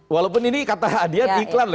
walaupun ini kata hadiah iklan lah